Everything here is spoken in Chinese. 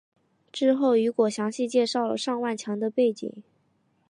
之后雨果详细介绍了尚万强的背景。